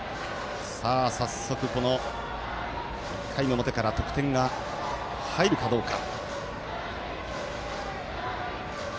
さっそく１回の表から得点が入るかどうか。